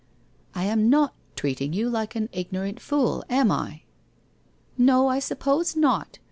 ' I am not treating you like an ignorant fool, am I ?'' No, I suppose not.